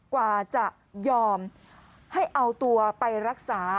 กว่าจะยอมให้เอาตัวไปรักษา